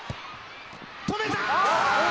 「止めた！」